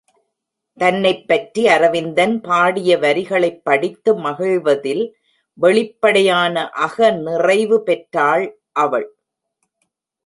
தன்னைப்பற்றி அரவிந்தன் பாடிய வரிகளைப் படித்து மகிழ்வதில் வெளிப்படையான அக நிறைவு பெற்றாள் அவள்.